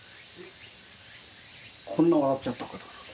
こんな笑っちゃったから。